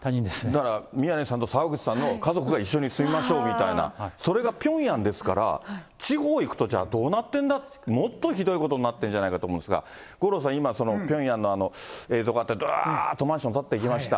だから宮根さんと澤口さんの家族が一緒に住みましょうみたいな、それがピョンヤンですから、地方行くとじゃあどうなってんだ、もっとひどいことになってるんじゃないかと思うんですが、五郎さん、今、ピョンヤンの映像があって、どわーっとマンション建っていきました。